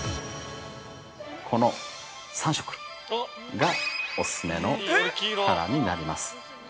◆この３色がお勧めのカラーになります。